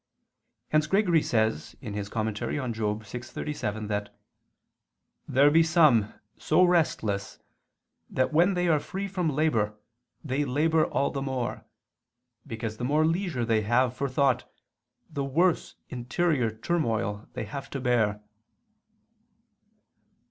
Hence Gregory says (Moral. vi, 37) that "there be some so restless that when they are free from labor they labor all the more, because the more leisure they have for thought, the worse interior turmoil they have to bear."